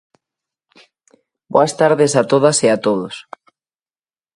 Boas tardes a todas e a todos.